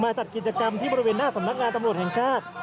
จัดกิจกรรมที่บริเวณหน้าสำนักงานตำรวจแห่งชาติ